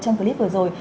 trong clip vừa rồi